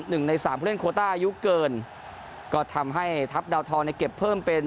หนึ่งในสามผู้เล่นโคต้าอายุเกินก็ทำให้ทัพดาวทองเนี่ยเก็บเพิ่มเป็น